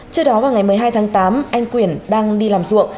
trước đó vào ngày một mươi hai tháng tám anh quyển đang đi làm ruộng